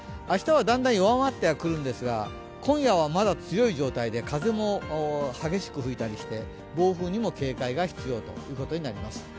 明日はだんだん弱まってはくるんですが、今夜はまだ強い状態で風も激しく吹いたりして暴風にも警戒が必要ということになります。